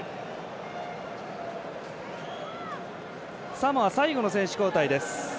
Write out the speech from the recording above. サモア、最後の選手交代です。